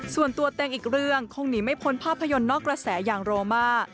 ส่วนตัวเต็งอีกเรื่องคงหนีไม่พ้นภาพยนตร์นอกกระแสอย่างโรมา